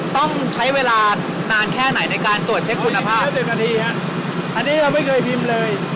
ต้องใช้เวลานานแค่ไหนในการตรวจเช็คคุณภาพอันนี้เราไม่เคยพิมพ์เลย